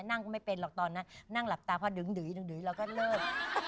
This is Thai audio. นั่งก็ไม่เป็นหรอกตอนนั้นนั่งหลับตาพอดึงดื่อยเราก็เลิก